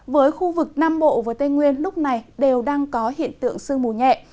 với khu vực nam bộ và tây nguyên lúc này đều đang có hiện tượng sương mù nhẹ